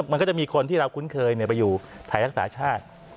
มันก็จะมีคนที่เราคุ้นเคยไปอยู่ไทยรักษาชาติ